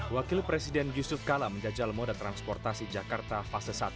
wakil presiden yusuf kala menjajal moda transportasi jakarta fase satu